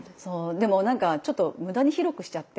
でもなんかちょっと無駄に広くしちゃって。